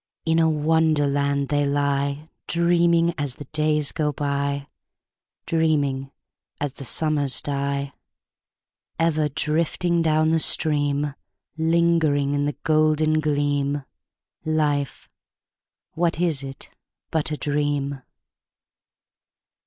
In a Wonderland they lie, Dreaming as the days go by, Dreaming as the summers die: Ever drifting down the stream Lingering in the golden gleam Life what is it but a dream?